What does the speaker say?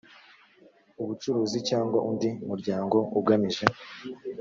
ubucuruzi cyangwa undi muryango ugamije